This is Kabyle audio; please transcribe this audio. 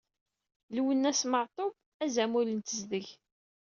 Lwennas Matoub azamul n tezdeg.